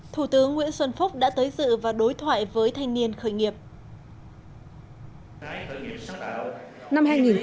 thủ tướng nguyễn xuân phúc đã tới dự và đối thoại với thanh niên khởi nghiệp